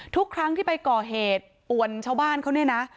ทุกครั้งที่ไปก่อเหตุป่วนชาวบ้านเขาเนี่ยนะ